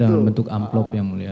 dalam bentuk amplop yang mulia